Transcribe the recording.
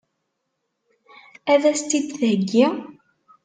Ad as-tt-id-theggi?